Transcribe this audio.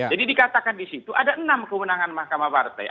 jadi dikatakan di situ ada enam kewenangan mahkamah partai